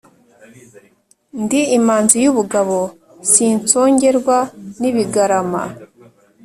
ndi imanzi y’ubugabo sinsongerwa n’ibigarama.